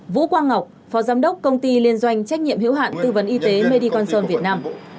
vũ quang ngọc phó giám đốc công ty liên doanh trách nhiệm hiếu hạn tư vấn y tế medi quangson việt nam